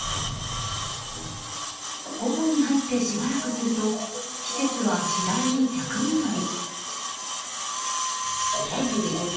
午後に入ってしばらくすると季節は次第に逆戻り。